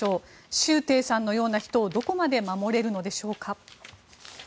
シュウ・テイさんのような人をどこまで守れるのでしょうか。